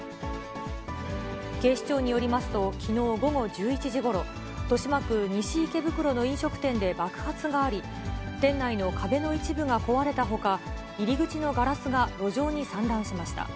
警視庁によりますと、きのう午後１１時ごろ、豊島区西池袋の飲食店で爆発があり、店内の壁の一部が壊れたほか、入り口のガラスが路上に散乱しました。